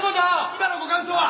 今のご感想は？